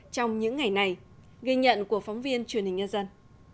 trong những ngày này ghi nhận của phóng viên truyền hình nhân dân